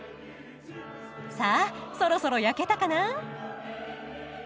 さあそろそろ焼けたかな？